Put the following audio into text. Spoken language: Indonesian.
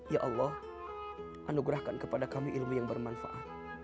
ya allah anugerahkan kepada kami ilmu yang bermanfaat